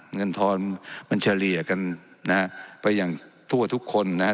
เงินทอนมันเฉลี่ยกันนะฮะไปอย่างทั่วทุกคนนะครับ